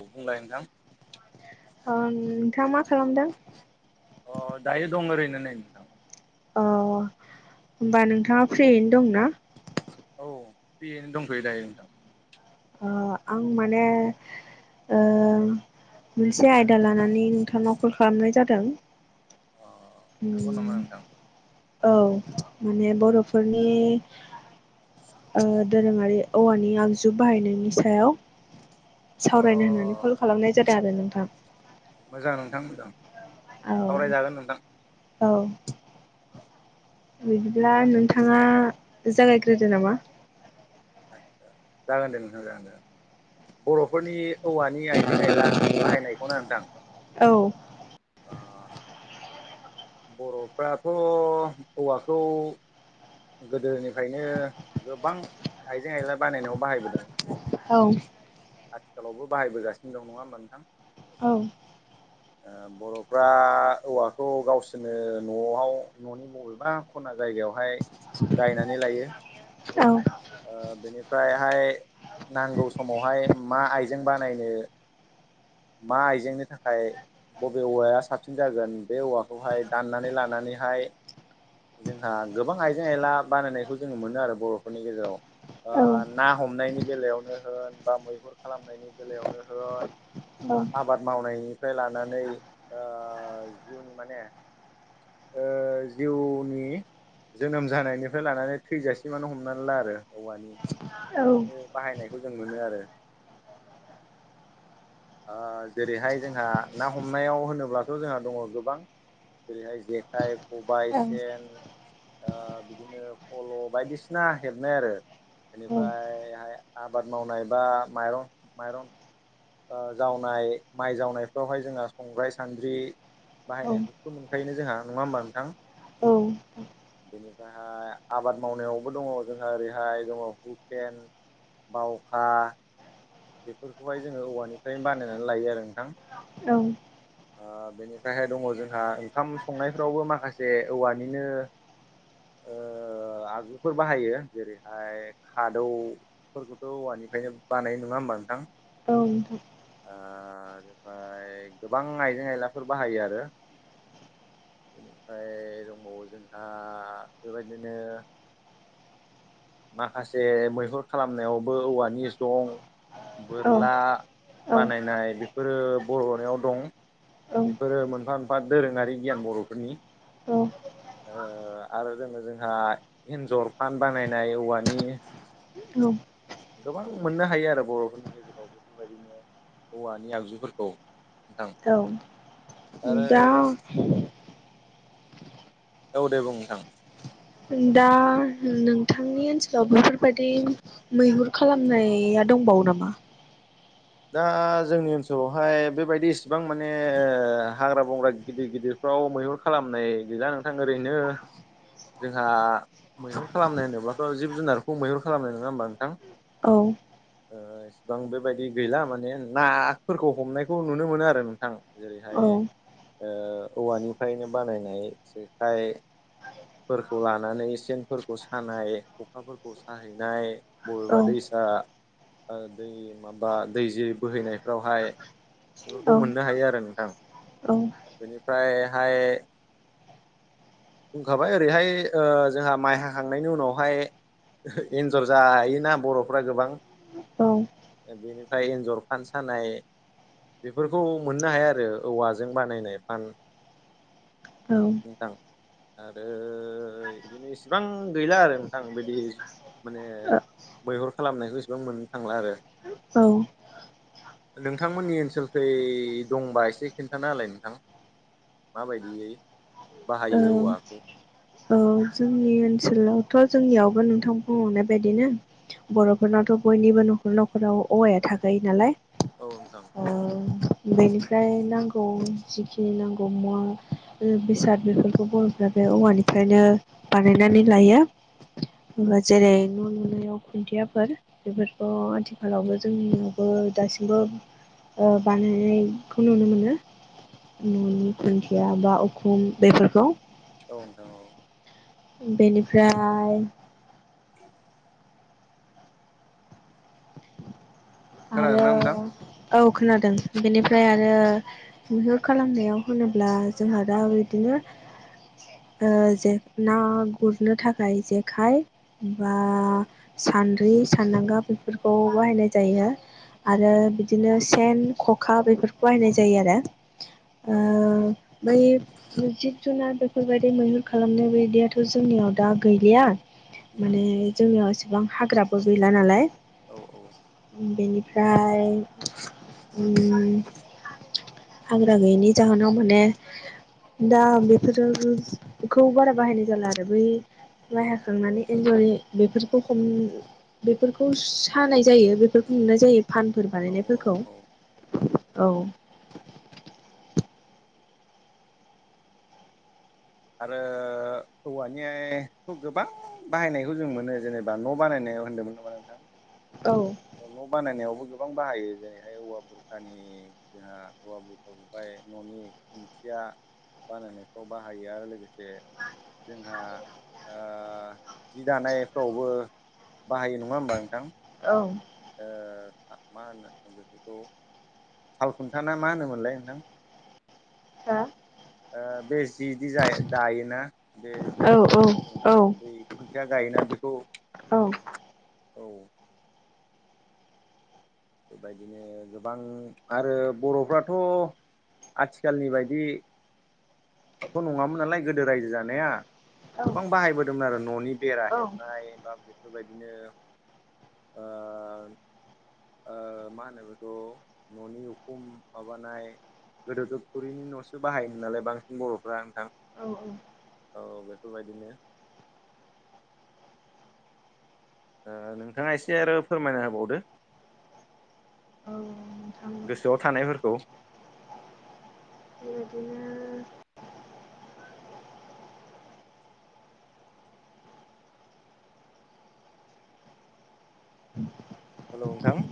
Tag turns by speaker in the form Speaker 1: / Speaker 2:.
Speaker 1: औ बुंलाय नोंथां?
Speaker 2: ओं नोंथाङा मा खालामदों?
Speaker 1: अ दायो दं ओरैनो नै।
Speaker 2: अ होमबा नोंथाङा फ्रियैनो दंना?
Speaker 1: औ फ्रियैनो दंथ'यो दायो नोंथां।
Speaker 2: ओ आं माने ओ मोनसे आयदा लानानै नोंथांनाव कल खालामनाय जादों।
Speaker 1: अ नंगौ
Speaker 2: उम
Speaker 1: नामा नोंथां?
Speaker 2: औ माने बर'फोरनि ओ दोरोङारि औवानि आगजु बाहायनायनि सायाव
Speaker 1: अ
Speaker 2: सावरायनो होननानै कल खालामनाय जादों आरो नोंथां।
Speaker 1: मोजां नोंथां मोजां
Speaker 2: औ
Speaker 1: सावरायजागोन नोंथां
Speaker 2: औ बिदिब्ला नोंथाङा जागायग्रोदो नामा?
Speaker 1: आदसा जागोन दे नोंथां जागोन जागोन बर'फोरनि औवानि आइजें आइला बाहायनायखौनो नोंथां
Speaker 2: औ
Speaker 1: अ बर'फ्राथ' औवाखौ गोदोनिफ्रायनो गोबां आइजें आइला बानायनायाव बाहायबोदों
Speaker 2: औ
Speaker 1: आथिखालावबो बाहायबोगासिनो दं नङा होमबा नोंथां?
Speaker 2: औ
Speaker 1: ओ बर'फ्रा औवाखौ गावसोरनो न'आव न'नि बबेबा खना जायगायावहाय गायनानै लायो ओ बेनिफ्रायहाय नांगौ समावहाय मा आइजें बानायनो मा आइजेंनि थाखाय बबे औवाया साबसिन जागोन बे औवाखौहाय दाननानै लानानैहाय जोंहा गोबां आइजें आइला बानायनायखौ जोङो मोनो आरो बर'फोरनि गेजेराव
Speaker 2: औ
Speaker 1: ना हमनायनि बेलायावनो होन बा मैहुर खालामनायनि बेलायावनो होन
Speaker 2: औ
Speaker 1: बा आबाद मावनायनिफ्राय लानानै जिउनि माने जिउनि जोनोम जानायनिफ्राय लानानै थैजासिमानो हमनानै ला आरो औवानि
Speaker 2: औ
Speaker 1: बाहायनायखौ जों मोनो आरो आ जेरैहाय जोंहा ना हमनायाव होनोब्लाथ' जोंहा दङ गोबां जेरैहाय जेखाइ खबाइ सेन ओ बिदिनो फल' बायदिसिना हेबनाय आरो बेनिफ्रायहाय आबाद मावनाय बा माइरं माइरं ओ जावनाय माइ जावनायफ्रावहाय जोंहा संग्राय सान्द्रि
Speaker 2: औ
Speaker 1: बाहायनाय बे मोनखायोोन जोंहा नङा होमबा नोंथां
Speaker 2: औ
Speaker 1: बेनिफ्रायहाय आबाद मावनायावबो दङ जोंहा ओरैहाय दङ हुकेन बावखा बेफोरखौहाय जोङो औवानिफ्रायनो बानायनानै लायो आरो नोंथां
Speaker 2: औ
Speaker 1: औ बेनिफ्रायहाय दङ जोंहा ओंखाम संनायफ्रावबो माखासे औवानिनो ओ आगजुफोर बाहायो जेरैहाय खादौफोरखौथ' औवानिफ्रायनो बानाय नङा होनोमा नोंथां
Speaker 2: औ दं
Speaker 1: आ बेनिफ्राय गोबां आइजें आयलाफोर बाहायो आरो बेनिफ्राय दंबावो जोंहा बेबायदिनो माखासे मैहुर खालामनायावबो औवानि जं बोरला
Speaker 2: औ औ
Speaker 1: बानायनाय बेफोरो बर'नियाव दं
Speaker 2: औ
Speaker 1: बेफोरो मोनफा मोनफा दोरोङारि गियान बर'फोरनि
Speaker 2: औ
Speaker 1: आरो जोङो जोंहा एन्जर फान बानायनाय औवानि
Speaker 2: औ
Speaker 1: गोबां मोननो हायो आरो बर'फोरनि गेजेराव बेफोरबायदिनो औवानि आगजुफोरखौ नोंथां
Speaker 2: औ
Speaker 1: आरो
Speaker 2: दा
Speaker 1: औ दे बुं नोंथां
Speaker 2: दा नोंथांनि ओनसोलाव बेफोरबायदि मैहुर खालामनाया दंबावो नामा
Speaker 1: दा जोंनि ओनसोलावहाय बेबायदि इसिबां माने हाग्रा बंग्रा गिदिर गिदिर फाव मैहुर खालामनाय गैजा नोंथां ओरैनो जोंहा मैहुर खालामनो होनोब्लाथ' जिब जुनारखौ मैहुर खालामनाय नङा होमबा नोंथां
Speaker 2: औ
Speaker 1: इसिबां बेबायदि गैला माने नाफोरखौ हमनायखौ नुनो मोनो आरो नोंथां
Speaker 2: औ
Speaker 1: जेरैहाय औवानिफ्रायनो बानायनाय जेखाय फोरखौ लानानै सेनफोरखौ सानाय खखाफोरखौ साहैनाय
Speaker 2: औ
Speaker 1: बबा दैसा दै माबा दै जे बोहैनायफ्रावहाय बेफोरखौ
Speaker 2: औ
Speaker 1: मोननो हायो आरो नोंथां बेनिफ्रायहाय होखाबाय ओरैहाय जोंहा माइ हाखांनायनि उनावहाय एन्जर जायोना बर'फ्रा गोबां
Speaker 2: औ
Speaker 1: बेनिफ्राय एन्जर फान सानाय बेफोरखौ मोननो हाया आरो औवाजों बानायनाय फान
Speaker 2: औ
Speaker 1: नोंथां आरो इदिनो इसिबां गैला आरो नोंथां बिदि माने मैहुर खालामनायखौ इसिबां मोननो थांला आरो।
Speaker 2: औ
Speaker 1: नोंथांमोननि ओनसोलखै दंबा एसे खिन्थाना होलाय नोंथां। माबायदियै।
Speaker 2: ओ
Speaker 1: बाहायो औवाखौ
Speaker 2: औ जोंनि ओनसोलावथ' जोंनियावबो नोंथां बुंहरनाय बायदिनो। बर'फोरनावथ' बयनिबो न'खर न'खराव औवाया थाखायो नालाय।
Speaker 1: औ नोंथां।
Speaker 2: ओ बेनिफ्राय नांगौ जिखिनि नांगौ मुवा बेसाद बेफोरखौ बर'फ्रा बे औवानिफ्रायनो बानायनानै लायो। जेरै न' लुनायाव खुन्थियाफोर। बेफोरखौ आथिखालावबो जोंनियावबो दासिमबो ओ बानायनायखौ नुनो मोनो न'नि खुन्थिया बा उखुम बेफोरखौ
Speaker 1: औ नोंथां औ।
Speaker 2: बेनिफ्राय आरो
Speaker 1: खोनादोंना नोंथां
Speaker 2: औ खोनादों
Speaker 1: अ
Speaker 2: बेनिफ्राय आरो मैहोर खालामनायाव होनोब्ला जोंहा दा बिदिनो जे ना गुरनो थाखाय जेखाइ बा
Speaker 1: औ
Speaker 2: सान्द्रि सान्दांगा बेफोरखौ बाहायनाय जायो। आरो बिदिनो सेन ख'खा बेफोरखौ बायनाय जायो आरो।
Speaker 1: औ नोंथां औ।
Speaker 2: ओ बै जिब जुनार बेफोरबायदि मैहुर खालामनाय बायदियाथ' जोंनियाव दा गैलिया
Speaker 1: उम
Speaker 2: माने जोंनियाव एसेबां हाग्राबो गैला नालाय।
Speaker 1: औ औ
Speaker 2: बेनिफ्राय उम हाग्रा गैयैनि जाहोनाव माने दा बेफोरोखौ बारा बाहायनाय जाला आरो बै माय हाखांनानै एन्जरि बेफोरखौ हम बेफोरखौ सानाय जायो बे बेफोरखौ नुनाय जायो फानफोर
Speaker 1: औ औ
Speaker 2: बानायनायफोरखौ
Speaker 1: औ
Speaker 2: औ।
Speaker 1: आरो औवानिखौ गोबां बाहायनायखौ जों मोनो जेनेबा न' बानायनाय होन्दोंमोन होमबा नोंथां
Speaker 2: औ
Speaker 1: न' बानायनायावबो गोबां बाहायो जेरैहाय औवा बुरखानि जोंहा औवा बेफोरखौहाय न'नि खुन्थिया बानायनायफ्राव बाहायो आरो लोगोसे जोंहा ओ जि दानायफ्रावबो बाहायो नङा होमबा नोंथां?
Speaker 2: औ
Speaker 1: मा होनो बेफोरखौ साल खुन्था ना मा होनोमोनलाय नोंथां?
Speaker 2: हा
Speaker 1: ओ बे जिदि जा दायोना बे जिदि
Speaker 2: औ औ
Speaker 1: सोङोना
Speaker 2: औ
Speaker 1: बे खुन्थिया गायोना बेखौ औ बेबायदिनो गोबां आरो बर'फ्राथ' आथिखालनि बायदि थ' नङामोन नालाय गोदो रायजो जानाया गोबां बाहायबोदोंमोन आरो न'नि बेरा
Speaker 2: औ
Speaker 1: हेबनाय बा बेफोरबायदिनो ओ ओ मा होनो बेखौ न'नि उखुम माबानाय गोदोथ थुरिनि न'सो बाहायोमोन नालाय बांसिन बर'फ्रा नोंथां
Speaker 2: औ औ।
Speaker 1: औ बेफोरबायदिनो नोंथाङा एसे आरो फोरमायना होबावदो।
Speaker 2: औ नोंथां।
Speaker 1: गोसोआव थानायफोरखौ
Speaker 2: बेबायदिनो [inaudible]
Speaker 1: हेल' नोंथां।